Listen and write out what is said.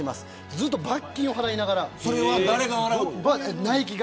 ずっと罰金をナイキが払いながら。